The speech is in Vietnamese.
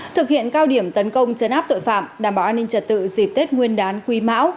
thực hiện cao điểm tấn công chấn áp tội phạm đảm bảo an ninh trật tự dịp tết nguyên đán quý mão